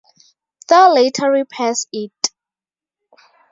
Thor later repairs it.